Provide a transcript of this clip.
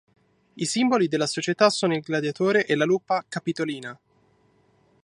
I simboli della società sono il gladiatore e la lupa capitolina.